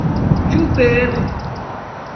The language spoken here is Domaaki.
چُوپ اِر